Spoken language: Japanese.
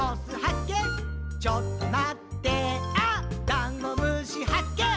ダンゴムシはっけん